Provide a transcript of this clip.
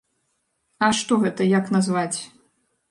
А што гэта, як назваць?